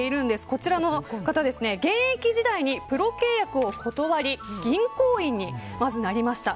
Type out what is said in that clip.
こちらの方現役時代にプロ契約を断り銀行員にまずなりました。